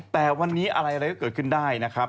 แต่วันนี้อะไรก็เกิดขึ้นได้นะครับ